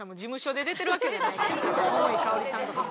桃井かおりさんとかも。